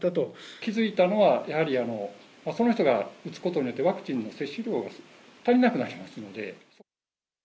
気付いたのは、やはり、その人が打つことによって、ワクチンの接種量が足りなくなりますので。